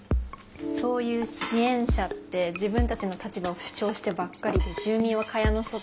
そういう支援者って自分たちの立場を主張してばっかりで住民は蚊帳の外。